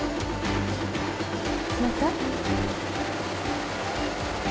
また？